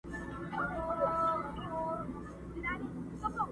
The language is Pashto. o يوار ئې زده که، بيا ئې در کوزده که٫